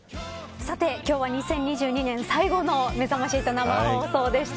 さて今日は２０２２年最後のめざまし８生放送でした。